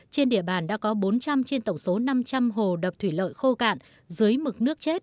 trên địa bàn đã có bốn trăm linh trên tổng số năm trăm linh hồ đập thủy lợi khô cạn dưới mực nước chết